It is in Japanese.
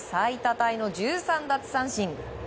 タイの１３奪三振。